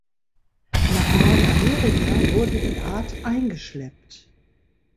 Nach Nordamerika wurde die Art eingeschleppt.